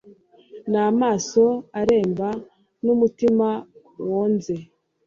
n amaso aremba n umutima wonze